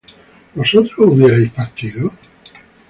¿vosotros hubierais partido?